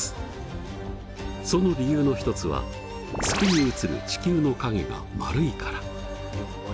その理由の一つは月に映る地球の影が丸いから。